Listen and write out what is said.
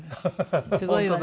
すごいわね。